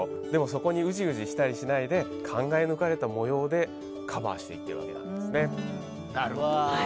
そこにうじうじしたりしないで考え抜かれた模様でカバーしていくわけなんです。